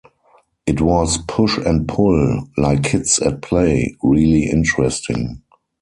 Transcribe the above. It was push-and-pull, like kids at play, really interesting.